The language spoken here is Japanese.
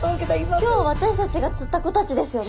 今日私たちが釣った子たちですよね。